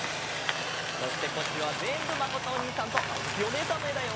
そしてこっちはぜんぶまことおにいさんとあづきおねえさんのえだよ。